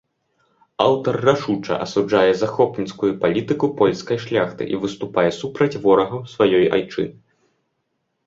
Аўтар рашуча асуджае захопніцкую палітыку польскай шляхты і выступае супраць ворагаў сваёй айчыны.